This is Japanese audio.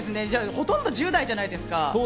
ほとんど１０代じゃないですか。